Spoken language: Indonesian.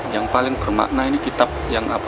yang paling bermakna ini kitab yang apa